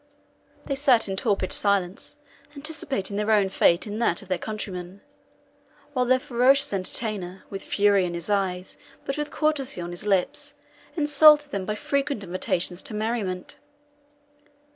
They sat in torpid silence, anticipating their own fate in that of their countrymen; while their ferocious entertainer, with fury in his eyes, but with courtesy on his lips, insulted them by frequent invitations to merriment.